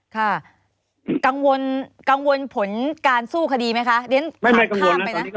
ค่ะกังวลผลการสู้คดีไหมคะเรียนถามข้ามไปนะ